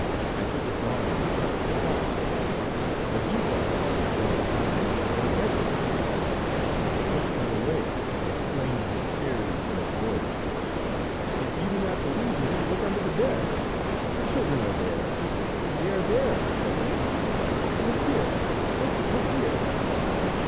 I took his arm and tried to calm him, but he thought that I was going to try and make him go to bed with her again, and he pushed me away and exclaimed with tears in his voice: "If you do not believe me, look under the bed; the children are there; they are there, I tell you. Look here, just look here."